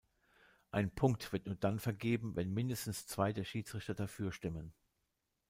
Ein Punkt wird nur dann vergeben, wenn mindestens zwei der Schiedsrichter dafür stimmen.